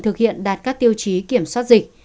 thực hiện đạt các tiêu chí kiểm soát dịch